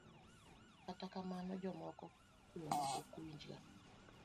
Kata kamano, jomoko kuomwa ok winjga.